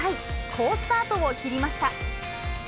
好スタートを切りました。